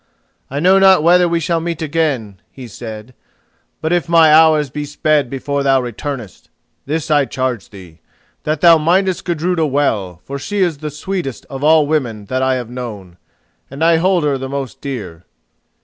"I know not whether we shall meet again," he said; "but, if my hours be sped before thou returnest, this I charge thee: that thou mindest Gudruda well, for she is the sweetest of all women that I have known, and I hold her the most dear."